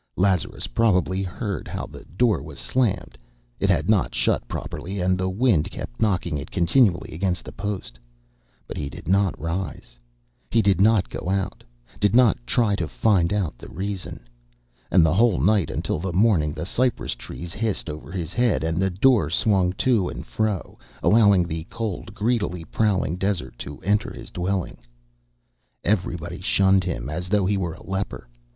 Lazarus probably heard how the door was slammed it had not shut properly and the wind kept knocking it continually against the post but he did not rise, did not go out, did not try to find out the reason. And the whole night until the morning the cypress trees hissed over his head, and the door swung to and fro, allowing the cold, greedily prowling desert to enter his dwelling. Everybody shunned him as though he were a leper.